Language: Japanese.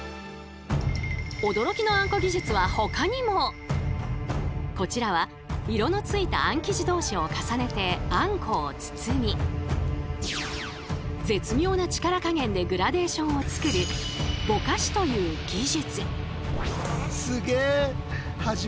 １つこちらは色のついたあん生地同士を重ねてあんこを包み絶妙な力加減でグラデーションを作る「ぼかし」という技術。